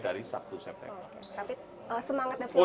dari sabtu september